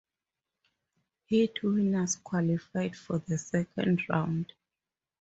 Heat winners qualified for the second round.